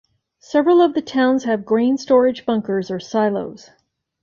Several of the towns have grain storage bunkers or silos.